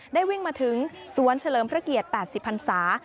วิ่งมาถึงสวนเฉลิมพระเกียรติ๘๐พันศา